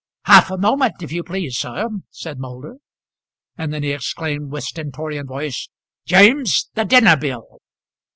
"Half a moment, if you please, sir," said Moulder; and then he exclaimed with stentorian voice, "James, the dinner bill."